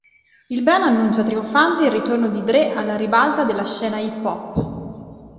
Il brano annuncia trionfante il ritorno di Dre alla ribalta della scena hip-hop.